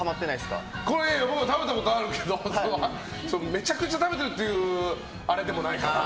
これ食べたことあるけどめちゃくちゃ食べてるっていうあれでもないかな。